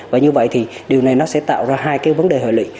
và như vậy thì điều này nó sẽ tạo ra hai cái vấn đề hợi lị